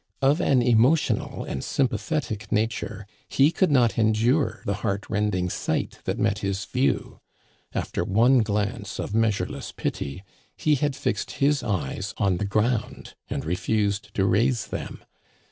Of an emotional and sympathetic nature, he could not endure the heart rending sight that met his view. After one glance of measureless pity, he had fixed his eyes on the ground and refused to raise them.